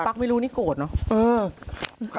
อันปั๊กไม่รู้นี่โกรธเนาะ